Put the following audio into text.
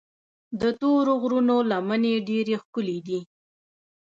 د تورو غرونو لمنې ډېرې ښکلي دي.